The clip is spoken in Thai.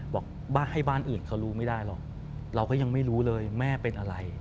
บอกให้บ้านอื่นเขารู้ไม่ได้หรอกเราก็ยังไม่รู้เลยแม่เป็นอะไร